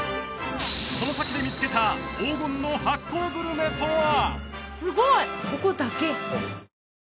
その先で見つけた黄金の発酵グルメとは？